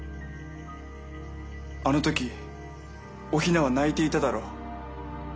あの時お雛は泣いていただろう？